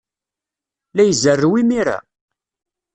La izerrew imir-a?